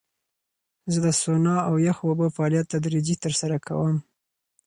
زه د سونا او یخو اوبو فعالیت تدریجي ترسره کوم.